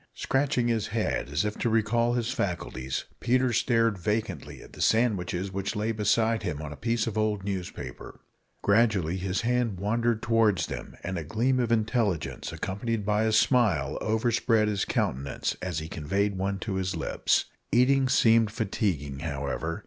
Scratching his head, as if to recall his faculties, Peter stared vacantly at the sandwiches which lay beside him on a piece of old newspaper. Gradually his hand wandered towards them, and a gleam of intelligence, accompanied by a smile, overspread his countenance as he conveyed one to his lips. Eating seemed fatiguing, however.